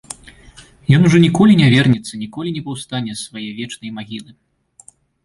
Ён ужо ніколі не вернецца, ніколі не паўстане з свае вечнай магілы.